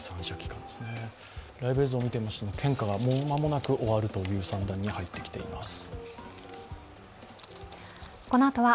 ライブ映像を見てみますと献花がもう間もなく終わるという算段にはいってきています。